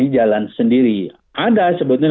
jalan sendiri ada sebetulnya